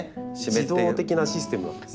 自動的なシステムなんです。